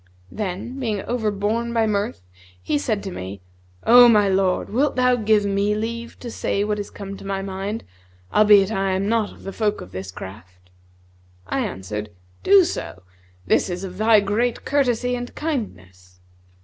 Then, being overborne by mirth, he said to me, 'O my lord, wilt thou give me leave to say what is come to my mind, albeit I am not of the folk of this craft?' I answered, 'Do so; this is of thy great courtesy and kindness.'